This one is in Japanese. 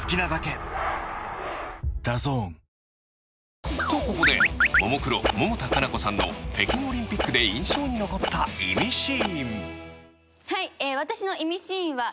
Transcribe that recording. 「勝ち飯」と、ここでももクロ、百田夏菜子さんの北京オリンピックで印象に残ったイミシーン